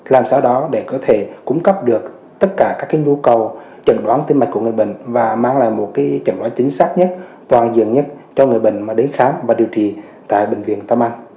làm sao đó để có thể cung cấp được tất cả các nhu cầu trần đoán tim mạch của người bệnh và mang lại một chẩn đoán chính xác nhất toàn diện nhất cho người bệnh mà đến khám và điều trị tại bệnh viện tâm an